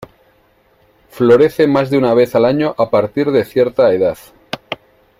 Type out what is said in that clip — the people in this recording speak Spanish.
Florece más de una vez al año a partir de cierta edad.